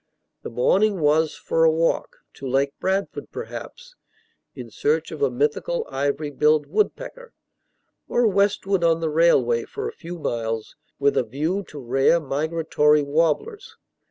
The morning was for a walk: to Lake Bradford, perhaps, in search of a mythical ivory billed woodpecker, or westward on the railway for a few miles, with a view to rare migratory warblers.